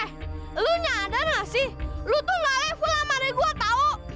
eh lo nyadar gak sih lo tuh gak level sama adek gua tau